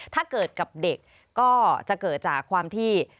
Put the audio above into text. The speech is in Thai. ถ้าเกิดกับเด็กก็จะเกิดจากความที่